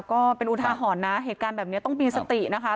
ก็เป็นอุทาหรณ์นะเหตุการณ์แบบนี้ต้องมีสตินะคะ